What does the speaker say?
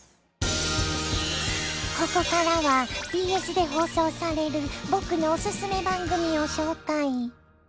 ここからはＢＳで放送される僕のオススメ番組を紹介！